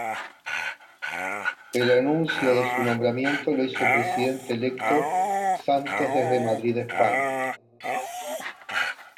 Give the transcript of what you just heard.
El anuncio de su nombramiento lo hizo el presidente electo Santos desde Madrid, España.